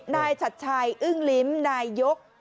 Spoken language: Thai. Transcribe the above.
นายชัดชัยอึ้งลิ้มนายยก